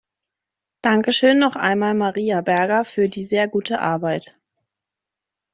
Dankeschön noch einmal Maria Berger für die sehr gute Arbeit.